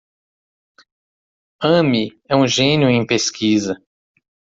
Amy é um gênio em pesquisa.